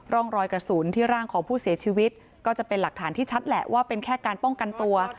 ร่องรอยกระสุนที่ร่างของผู้เสียชีวิตก็จะเป็นหลักฐานที่ชัดแหละว่าเป็นแค่การป้องกันตัว